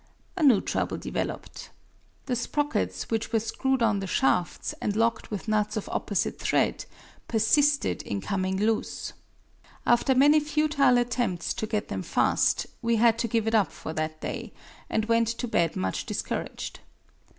A new trouble developed. The sprockets which were screwed on the shafts, and locked with nuts of opposite thread, persisted in coming loose. After many futile attempts to get them fast, we had to give it up for that day, and went to bed much discouraged.